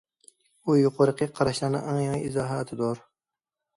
بۇ يۇقىرىقى قاراشلارنىڭ ئەڭ يېڭى ئىزاھاتىدۇر.